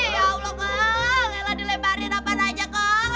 ya allah kong dilemparin apaan aja kong